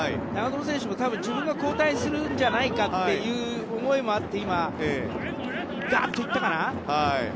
長友選手も多分、自分が交代するんじゃないかっていう思いもあって今、ガッといったかな。